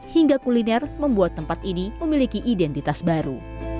hingga kuliner membuat tempat ini memiliki identitas baru